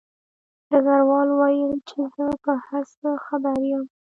ډګروال وویل چې زه په هر څه خبر یم